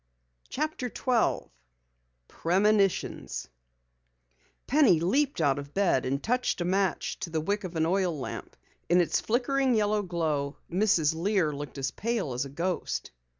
CHAPTER 12 PREMONITIONS Penny leaped out of bed and touched a match to the wick of an oil lamp. In its flickering yellow glow Mrs. Lear looked as pale as a ghost.